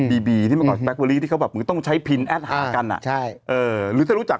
บีบีที่เมื่อก่อนที่เขาแบบมึงต้องใช้แอดหากันอ่ะใช่เออหรือถ้ารู้จัก